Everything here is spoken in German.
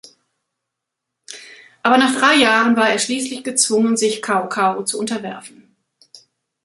Aber nach drei Jahren war er schließlich gezwungen, sich Cao Cao zu unterwerfen.